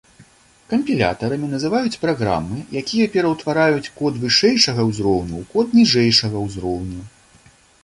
Кампілятарамі называюць праграмы, якія пераўтвараюць код вышэйшага ўзроўню ў код ніжэйшага ўзроўню.